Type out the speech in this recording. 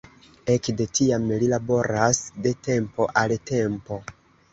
Ekde tiam li laboras de tempo al tempo.